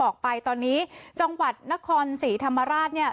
ออกไปตอนนี้จังหวัดนครศรีธรรมราชเนี่ย